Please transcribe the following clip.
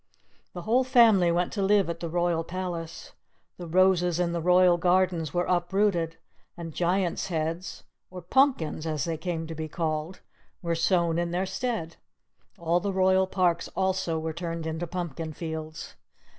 The whole family went to live at the royal palace. The roses in the royal gardens were uprooted, and Giant's heads (or pumpkins, as they came to be called) were sown in their stead; all the royal parks also were turned into pumpkin fields.